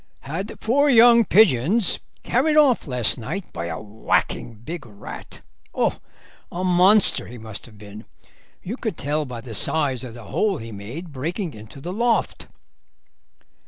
"Had four young pigeons carried off last night by a whacking big rat. Oh, a monster he must have been; you could tell by the size of the hole he made breaking into the loft."